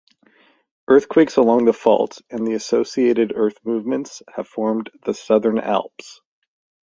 Earthquakes along the fault, and the associated earth movements, have formed the Southern Alps.